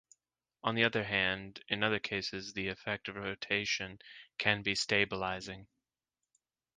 On the other hand, in other cases the effect of rotation can be stabilizing.